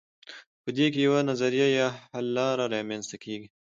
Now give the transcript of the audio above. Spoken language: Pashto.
په دې کې یوه نظریه یا حل لاره رامیینځته کیږي.